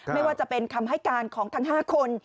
ไม่ว่าจะเป็นคำให้การของทั้ง๕คน